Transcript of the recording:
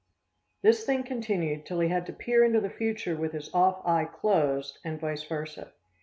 This thing continued till he had to peer into the future with his off eye closed, and vice versa.